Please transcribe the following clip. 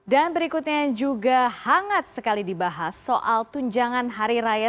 dan berikutnya yang juga hangat sekali dibahas soal tunjangan hari raya